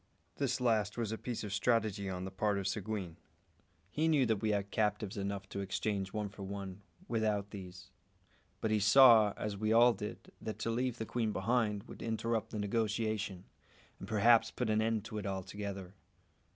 This last was a piece of strategy on the part of Seguin. He knew that we had captives enough to exchange one for one, without these; but he saw, as we all did, that to leave the queen behind would interrupt the negotiation, and perhaps put an end to it altogether.